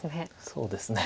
そうですね。